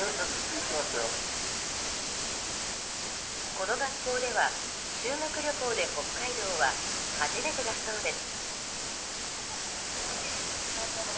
この学校では修学旅行で北海道は初めてだそうです。